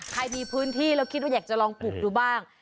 ใครมีพื้นที่แล้วคิดว่าอยากจะลองปลูกดูบ้าง